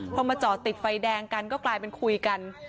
พอมาจอดติดไฟแดงกันก็กลายเป็นคุยกัน